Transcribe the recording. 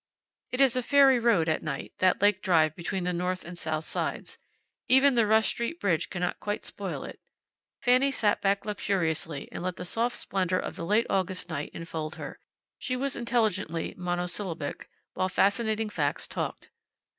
It is a fairy road at night, that lake drive between the north and south sides. Even the Rush street bridge cannot quite spoil it. Fanny sat back luxuriously and let the soft splendor of the late August night enfold her. She was intelligently monosyllabic, while Fascinating Facts talked.